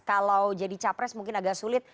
kalau jadi capres mungkin agak sulit